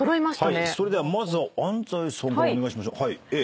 それではまずは安斉さんからお願いしましょう。